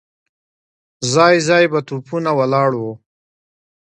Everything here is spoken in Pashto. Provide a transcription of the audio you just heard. ځای ځای به توپونه ولاړ وو.